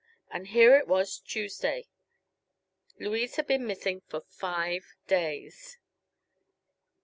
And here it was Tuesday. Louise had been missing for five days.